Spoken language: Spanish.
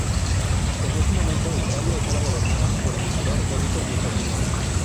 En ese momento, Italia estaba gobernada por el dictador Benito Mussolini.